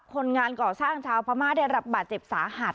คนงานก่อสร้างชาวพม่าได้รับบาดเจ็บสาหัส